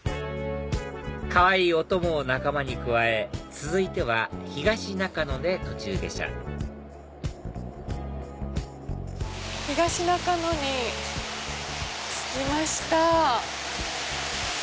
かわいいお供を仲間に加え続いては東中野で途中下車東中野に着きました。